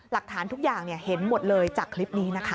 หลักฐานทุกอย่างเห็นหมดเลยจากคลิปนี้นะคะ